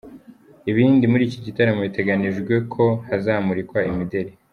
Ibindi: Muri iki gitaramo biteganijwe ko hazamurikwa imideri.